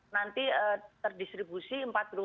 nanti terdistribusi rp empat puluh